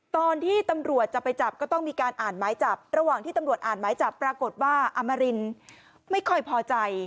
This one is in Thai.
ตอนที่ตำรวจจะไปจับก็ต้องมีการอ่านหมายจับระหว่างที่ตำรวจอ่านหมายจับปรากฏว่าอมรินไม่ค่อยพอใจ